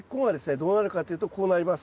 どうなるかというとこうなります。